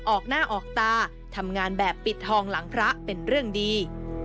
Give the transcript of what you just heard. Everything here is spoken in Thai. ออกหน้าออกตาทำงานแบบปิดทองหลังพระเป็นเรื่องดี